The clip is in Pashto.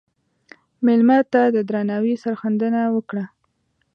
مېلمه ته د درناوي سرښندنه وکړه.